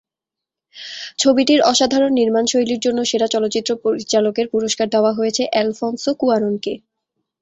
ছবিটির অসাধারণ নির্মাণশৈলীর জন্য সেরা চলচ্চিত্র পরিচালকের পুরস্কার দেওয়া হয়েছে এলফনসো কুয়ারনকে।